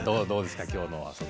どうですか、今日の。